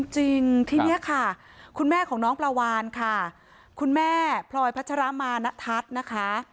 จริงทีนี้ค่ะคุณแม่ของน้องปลาวานค่ะคุณแม่พลอยพัชรมาณทัศน์นะคะ